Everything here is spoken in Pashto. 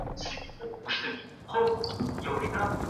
هر کار چي وسي باید نتیجه ولري.